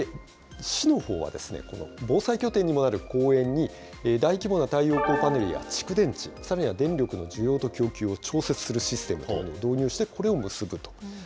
市のほうは、防災拠点にもなる公園に、大規模な太陽光パネルや蓄電池、さらには、電力の需要と供給を調節するシステムというのを導入して、これを結ぶと。